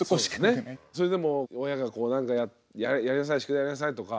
それでも親がこうなんか「やりなさい宿題やりなさい」とか。